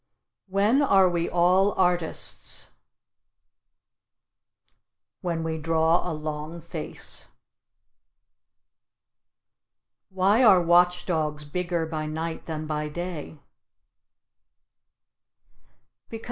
When are we all artists? When we draw a long face. Why are watch dogs bigger by night than by day?